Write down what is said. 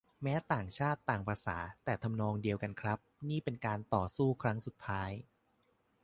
แม้ต่างชาติต่างภาษา แต่ทำนองเดียวกันครับ นี่เป็นการต่อสู้ครั้งสุดท้าย